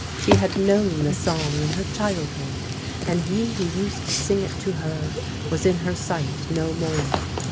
She had known the song in her childhood, and he who used to sing it to her was in her sight no more.